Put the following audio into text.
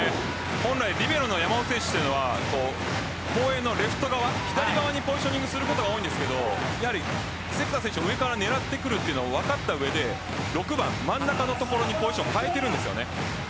本来リベロの山本選手は後衛のレフト側にポジショニングすることが多いですが関田選手、上から狙ってくるのを分かった上で６番、真ん中のところにポジション変えているんです。